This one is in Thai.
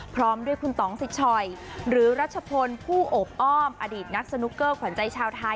พร้อมด้วยคุณต่องสิทชอยหรือรัชพลผู้โอบอ้อมอดีตนักสนุกเกอร์ขวัญใจชาวไทย